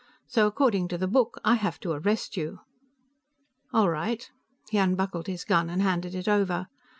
So, according to the book, I have to arrest you." "All right." He unbuckled his gun and handed it over.